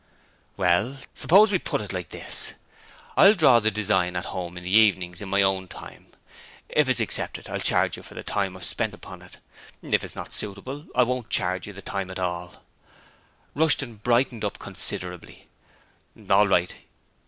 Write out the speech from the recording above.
'Well, suppose we put it like this: I'll draw the design at home in the evenings in my own time. If it's accepted, I'll charge you for the time I've spent upon it. If it's not suitable, I won't charge the time at all.' Rushton brightened up considerably. 'All right.